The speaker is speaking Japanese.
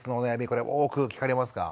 これ多く聞かれますか？